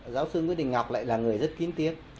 giáo sư nguyễn đình ngọc lại là người rất kín tiếng